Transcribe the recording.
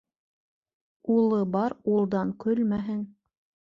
Улы бар улдан көлмәһен